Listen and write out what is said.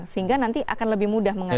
sehingga nanti akan lebih mudah mengatur